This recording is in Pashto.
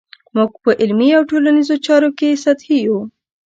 موږ په علمي او ټولنیزو چارو کې سطحي یو.